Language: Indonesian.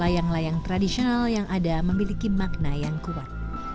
yang tradisional yang ada memiliki makna yang kuat